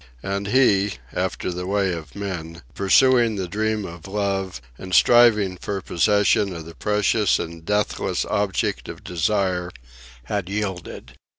And he, after the way of men, pursuing the dream of love and striving for possession of the precious and deathless object of desire, had yielded.